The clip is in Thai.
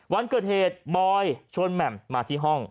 วันเกิดเหตุบอยชวนแหม่มมาที่ห้อง